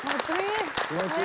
気持ちいい。